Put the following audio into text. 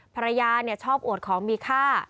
ภรรยาเนี่ยชอบอวดของมีค่า